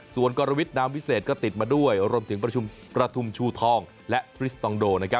ส่วนกรวิทนามวิเศษก็ติดมาด้วยรวมถึงประชุมประทุมชูทองและพริสตองโดนะครับ